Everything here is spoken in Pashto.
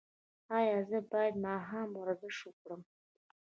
ایا زه باید ماښام ورزش وکړم؟